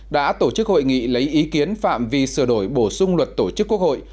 đã tổ chức hội nghị lấy ý kiến phạm vi sửa đổi bổ sung luật tổ chức quốc hội